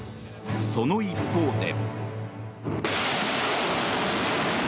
その一方で。